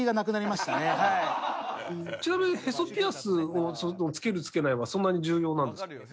ちなみにヘソピアスをつけるつけないはそんなに重要なんですか？